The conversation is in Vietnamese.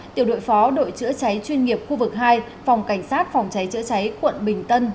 tiểu đội phó đội chữa cháy chuyên nghiệp khu vực hai phòng cảnh sát phòng cháy chữa cháy quận bình tân